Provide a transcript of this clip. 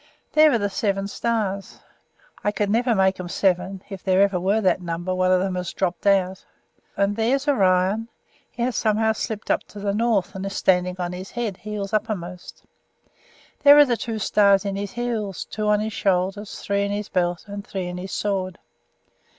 There are the Seven Stars I never could make 'em seven; if there ever were that number one of 'em has dropped out. And there's Orion; he has somehow slipped up to the north, and is standing on his head, heels uppermost. There are the two stars in his heels, two on his shoulders, three in his belt, and three in his sword.